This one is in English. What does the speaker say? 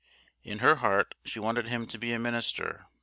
In her heart she wanted him to be a minister.